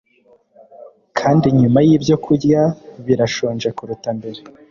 Kandi nyuma yibyo kurya birashonje kuruta mbere